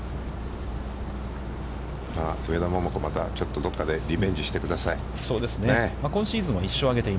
上田桃子、またどこかでリベンジしてください。